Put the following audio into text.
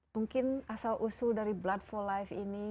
mungkin asal usul dari blood for life ini